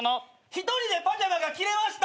１人でパジャマが着れました。